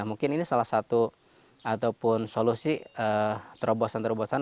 mungkin ini salah satu ataupun solusi terobosan terobosan